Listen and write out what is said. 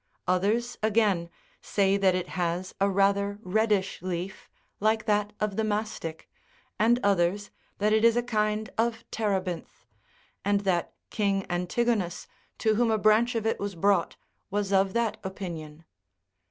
Others, again, say, that it has a rather reddish leaf, like that of the mastich, and others, that it is a kind of terebinth,98 and that King Antigonus, to whom a branch of it was brought, was of that opinion.